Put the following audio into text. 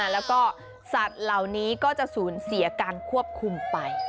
แล้วก็สัตว์เหล่านี้ก็จะสูญเสียการควบคุมไป